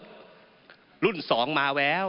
มาลุ่นสองมาแว้ว